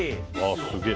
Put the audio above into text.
すげえ。